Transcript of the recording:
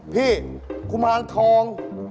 พี่คุมฮานทอง